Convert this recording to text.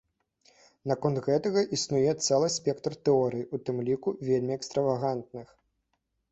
Наконт гэтага існуе цэлы спектр тэорый, у тым ліку вельмі экстравагантных.